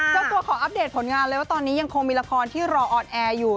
เจ้าตัวขออัปเดตผลงานเลยว่าตอนนี้ยังคงมีละครที่รอออนแอร์อยู่